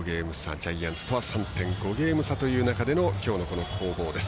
ジャイアンツとは３．５ゲーム差という中でのきょうのこの攻防です。